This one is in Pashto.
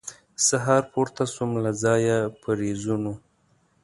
سهار پورته سوم له ځایه په رېزونو